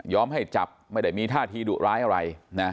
ให้จับไม่ได้มีท่าทีดุร้ายอะไรนะ